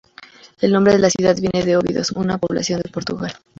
El nombre de la ciudad viene de Óbidos, una población en Portugal.